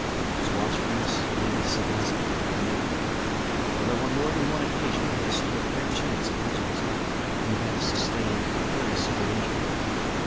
His watchfulness and sagacity are never at fault, although on more than one occasion he has stood a fair chance of losing his life, and has sustained very severe injury.